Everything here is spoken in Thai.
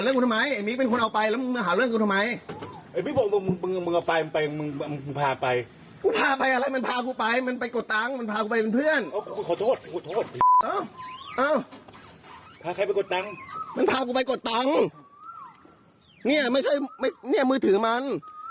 นี่ไม่ใช่มือถือมัน